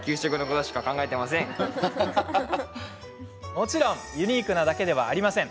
もちろんユニークなだけではありません。